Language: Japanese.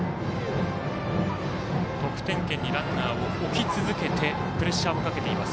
得点圏にランナーを置き続けてプレッシャーもかけています。